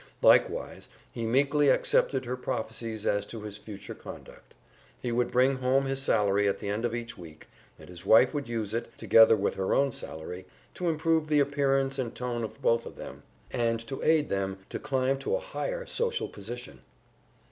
Likewise he meekly accepted her prophecies as to his future conduct; he would bring home his salary at the end of each week, and his wife would use it, together with her own salary, to improve the appearance and tone of both of them, and to aid them to climb to a higher social position.